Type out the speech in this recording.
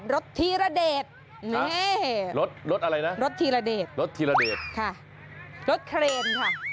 รถธิระเดชค่ะรถเครนค่ะรถเครน